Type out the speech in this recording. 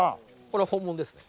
これは本物ですね。